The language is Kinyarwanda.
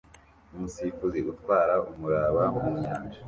Umusifuzi utwara umuraba mu nyanja